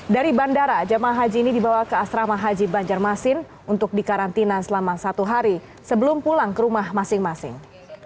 dari bandara jemaah haji ini dibawa ke asrama haji banjarmasin untuk dikarantina selama satu hari sebelum pulang ke rumah masing masing